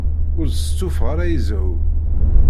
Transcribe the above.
Ur d-stufaɣ ara i zzhu.